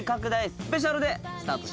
スペシャルでスタートします。